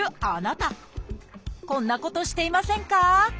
こんなことしていませんか？